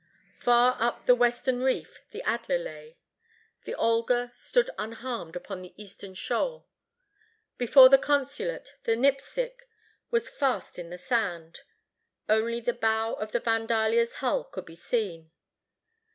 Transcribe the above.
Far up the western reef the Adler lay. The Olga stood unharmed upon the eastern shoal. Before the consulate, the Nipsic was fast in the sand. Only the bow of the Vandalia's hull could be seen.